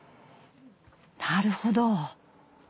なるほど。